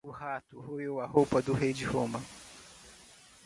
O rato roeu a roupa do Rei de roma